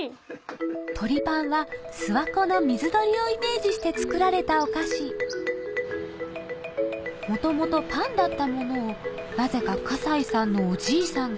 鳥ぱんは諏訪湖の水鳥をイメージして作られたお菓子元々パンだったものをなぜか河西さんのおじいさん